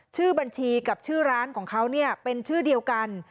ชื่อบัญชีกับชื่อร้านของเขาเป็นชื่อเดียวกัน